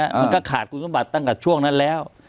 มันก็ขาดคุณสมบัติตั้งแต่ช่วงนั้นแล้ว